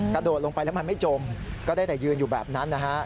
กระโดดลงไปแล้วมันไม่จมก็ได้แต่ยืนอยู่แบบนั้นนะฮะ